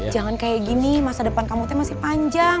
jangan kayak gini masa depan kamutnya masih panjang